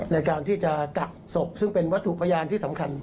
ในการที่จะกักศพซึ่งเป็นวัตถุพยานที่สำคัญ